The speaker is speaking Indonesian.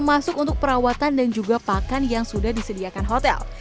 masuk untuk perawatan dan juga pakan yang sudah disediakan hotel